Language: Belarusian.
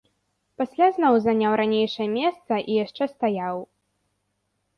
Пасля зноў заняў ранейшае месца і яшчэ стаяў.